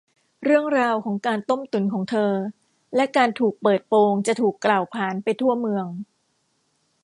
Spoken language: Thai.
เรื่องราวของการต้มตุ๋นของเธอ และการถูกเปิดโปงจะถูกกล่าวขานไปทั่วเมือง